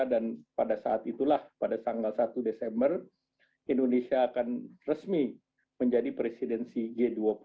dan pada saat itulah pada tanggal satu desember indonesia akan resmi menjadi presidensi g dua puluh